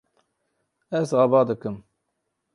Ez ava dikim.